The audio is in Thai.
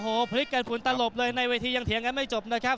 โอ้โหพลิกกันฝุ่นตลบเลยในเวทียังเถียงกันไม่จบนะครับ